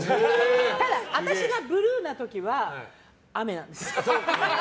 ただ、私がブルーな時は雨なんです。